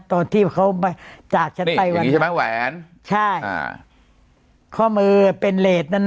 ตัวที่เขามาจากนี่อย่างงี้ใช่ไหมแหวนใช่อ่าข้อมือเป็นเลสนั่น